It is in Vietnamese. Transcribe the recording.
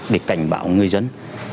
để cảnh báo người dân